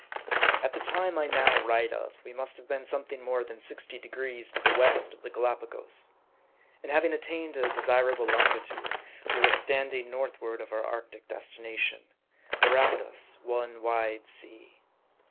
AT the time I now write of, we must have been some thing more than sixty degrees to the west of the Gallipagos. And having attained a desirable longitude, we were stand ing northward for our arctic destination : around us one wide sea.